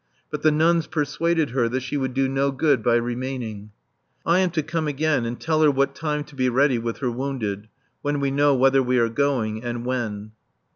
But the nuns persuaded her that she would do no good by remaining. I am to come again and tell her what time to be ready with her wounded, when we know whether we are going and when.